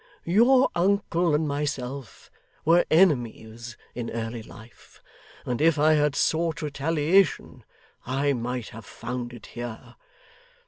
Your uncle and myself were enemies in early life, and if I had sought retaliation, I might have found it here.